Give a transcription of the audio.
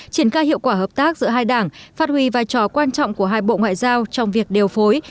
triển khai hiệu quả hợp tác giữa hai đảng phát huy vai trò quan trọng của hai bộ ngoại giao trong việc điều phối